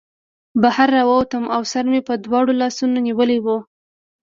بهر راووتم او سر مې په دواړو لاسونو نیولی و